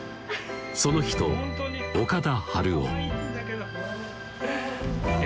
その人岡田春生え？